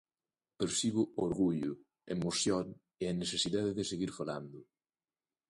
Percibo orgullo, emoción e a necesidade de seguir falando.